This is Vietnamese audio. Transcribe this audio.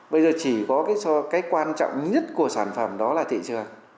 bây giờ chỉ có cái quan trọng nhất của sản phẩm đó là thị trường